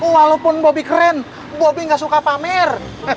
walaupun bobby keren bobby gak suka pamer